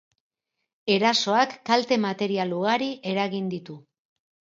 Erasoak kalte material ugari eragin ditu.